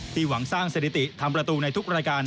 หวังสร้างสถิติทำประตูในทุกรายการ